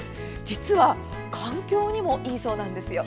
実は環境にもいいそうなんですよ。